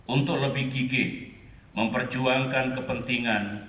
untuk lebih gigih memperjuangkan kepentingan